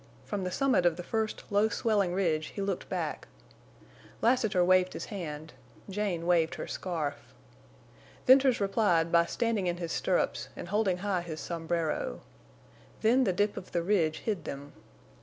From the summit of the first low swelling ridge he looked back. Lassiter waved his hand; Jane waved her scarf. Venters replied by standing in his stirrups and holding high his sombrero. Then the dip of the ridge hid them.